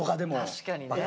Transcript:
確かにね。